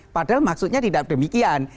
padahal maksudnya tidak demikian